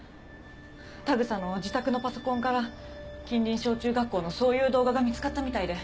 田草の自宅のパソコンから近隣小中学校のそういう動画が見つかったみたいで。